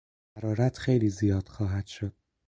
حرارت خیلی زیاد خواهد شد.